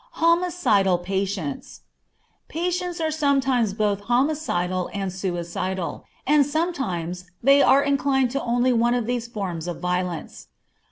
Homicidal Patients. Patients are sometimes both homicidal and suicidal, and sometimes they are inclined to only one of these forms of violence.